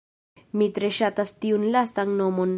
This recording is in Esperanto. Mi tre ŝatas tiun lastan nomon!